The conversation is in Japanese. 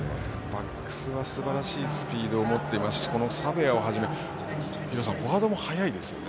バックスはすばらしいスピードを持っているしサベアをはじめフォワードも速いですね。